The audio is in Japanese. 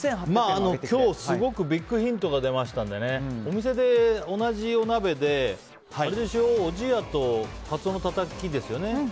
今日、すごくビッグヒントが出ましたのでお店で同じお鍋で、おじやとカツオのたたきですよね。